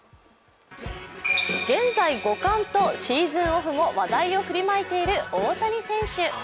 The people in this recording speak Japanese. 現在５冠とシーズンオフも話題を振りまいている大谷翔平選手。